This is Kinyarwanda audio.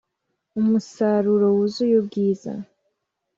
umusaruro wuzuye ubwiza,